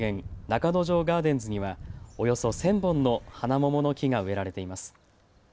中之条ガーデンズにはおよそ１０００本のハナモモの木が植えられています。